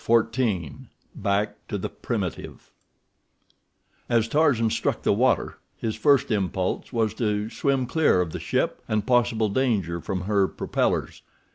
Chapter XIV Back to the Primitive As Tarzan struck the water, his first impulse was to swim clear of the ship and possible danger from her propellers.